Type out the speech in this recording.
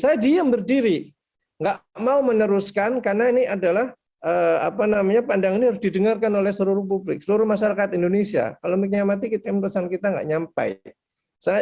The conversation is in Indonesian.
saya diam berdiri tidak mau meneruskan karena pandangan ini harus didengarkan oleh seluruh publik seluruh masyarakat indonesia kalau mikirnya mati kita tidak menyampaikan